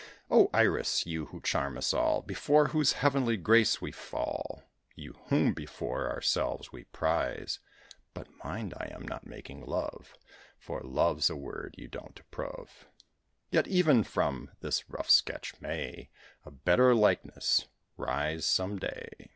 O Iris! you who charm us all, Before whose heavenly grace we fall, You whom before ourselves we prize (But, mind, I am not making love, For love's a word you don't approve), Yet even from this rough sketch may A better likeness rise, some day.